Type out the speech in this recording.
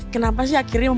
kenapa sih akhirnya memulai